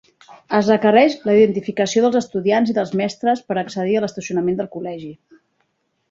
Es requereix la identificació dels estudiants i dels mestres per a accedir a l'estacionament del col·legi.